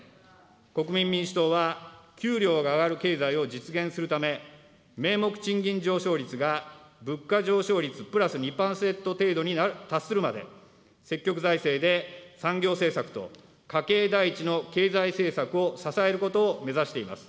国民民主党は、給料が上がる経済を実現するため、名目賃金上昇率が物価上昇率プラス２％程度に達するまで、積極財政で産業政策と家計第一の経済政策を支えることを目指しています。